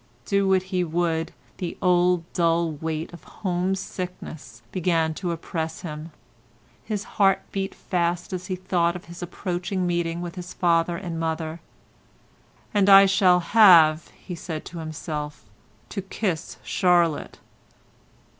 Do what he would, the old dull weight of home sickness began to oppress him, his heart beat fast as he thought of his approaching meeting with his father and mother, "and I shall have," he said to himself, "to kiss Charlotte."